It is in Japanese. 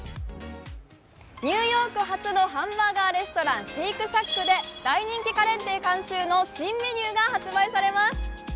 ニューヨーク発のハンバーガーレストランシェイクシャックで大人気カレー店監修の新メニューが発売されます。